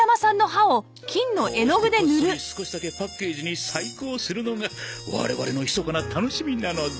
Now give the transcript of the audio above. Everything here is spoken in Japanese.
こうしてこっそり少しだけパッケージに細工をするのが我々の密かな楽しみなのだ。